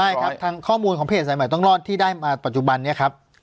ใช่ครับทางข้อมูลของเพจสายใหม่ต้องรอดที่ได้มาปัจจุบันนี้ครับ